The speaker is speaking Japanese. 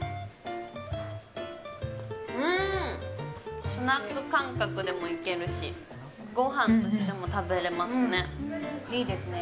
うーん、スナック感覚でもいけるし、ごはんとしても食べれますね。